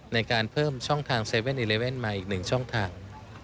ในการเพิ่มช่องทาง๗๑๑มาอีกหนึ่งช่องทาง